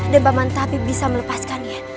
dan paman tabib bisa melepaskannya